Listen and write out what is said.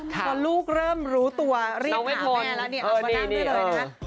ตอนลูกเริ่มรู้ตัวเรียกหาแม่แล้วเนี่ยเอามานั่งด้วยเลยนะ